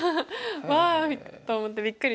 「わあ！」と思ってびっくりしました。